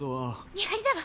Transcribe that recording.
見張りだわ！